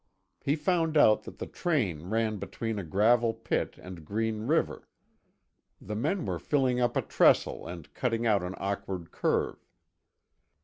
He found out that the train ran between a gravel pit and Green River. The men were filling up a trestle and cutting out an awkward curve.